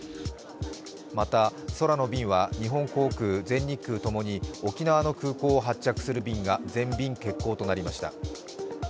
また空の便は日本航空、全日空ともに沖縄の空港を発着する便が全便欠航となりました。